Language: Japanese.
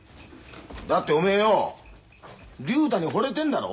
だっておめえよお竜太にほれてんだろ？